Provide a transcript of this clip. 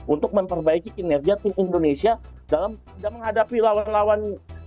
untuk memperbaiki kinerja tim indonesia dalam menghadapi lawan lawan